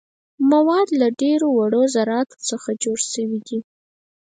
مواد له ډیرو وړو ذراتو څخه جوړ شوي دي.